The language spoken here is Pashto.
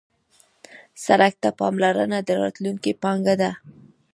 سړک ته پاملرنه د راتلونکي پانګه ده.